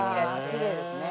きれいですね。